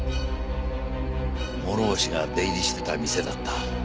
諸星が出入りしてた店だった。